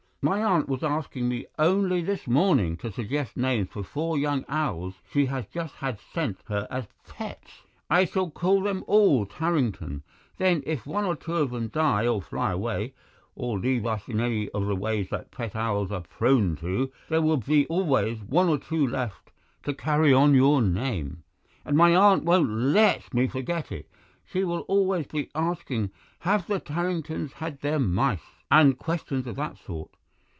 "My aunt was asking me only this morning to suggest names for four young owls she's just had sent her as pets. I shall call them all Tarrington; then if one or two of them die or fly away, or leave us in any of the ways that pet owls are prone to, there will be always one or two left to carry on your name. And my aunt won't LET me forget it; she will always be asking 'Have the Tarringtons had their mice?' and questions of that sort.